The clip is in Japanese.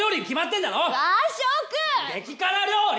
激辛料理！